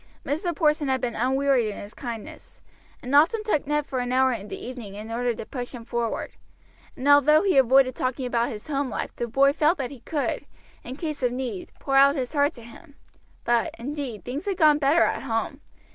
Mr. Porson had been unwearied in his kindnesses, and often took Ned for an hour in the evening in order to push him forward, and although he avoided talking about his home life the boy felt that he could, in case of need, pour out his heart to him; but, indeed, things had gone better at home.